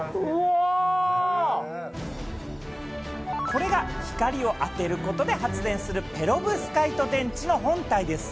これが光を当てることで発電するペロブスカイト電池の本体です。